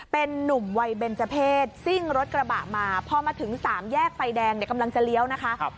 เป็นนุ่มวัยเบนเจอร์เพศซิ่งรถกระบะมาพอมาถึงสามแยกไฟแดงเนี่ยกำลังจะเลี้ยวนะคะ